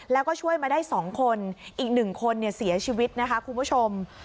แล้วก็ช่วยมาได้๒คนอีก๑คนเสียชีวิตนะคะคุณผู้ชม